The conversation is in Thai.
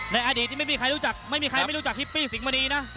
ในอดีตที่ไม่มีใครรู้จักฮิปปี้สิงห์มะนีนะ